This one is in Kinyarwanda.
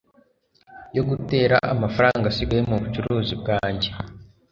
yo gutera amafaranga asigaye mu bucuruzi bwanjye